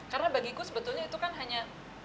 karena bagiku sebetulnya itu kan hanya